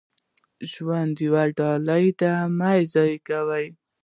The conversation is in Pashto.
• ژوند یوه ډالۍ ده، مه یې ضایع کوه.